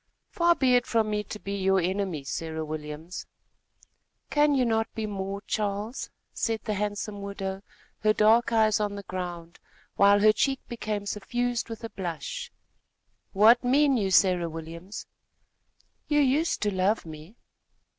"Far be it from me to be your enemy, Sarah Williams." "Can you not be more, Charles?" said the handsome widow, her dark eyes on the ground, while her cheek became suffused with a blush. "What mean you, Sarah Williams?" "You used to love me."